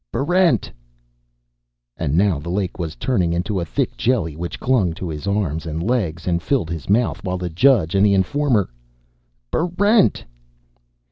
"Barrent!" And now the lake was turning into a thick jelly which clung to his arms and legs and filled his mouth, while the judge and the informer "_Barrent!